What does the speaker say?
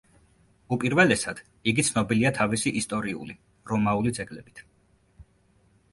უპირველესად, იგი ცნობილია თავისი ისტორიული, რომაული ძეგლებით.